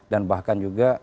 dan bahkan juga